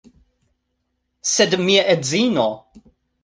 Sed mia edzino